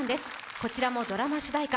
こちらもドラマ主題歌